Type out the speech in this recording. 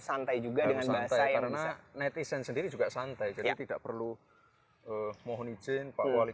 santai juga dengan bangsa karena netizen sendiri juga santai jadi tidak perlu mohon izin pak wali